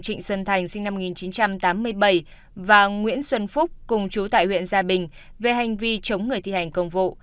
trịnh xuân thành sinh năm một nghìn chín trăm tám mươi bảy và nguyễn xuân phúc cùng chú tại huyện gia bình về hành vi chống người thi hành công vụ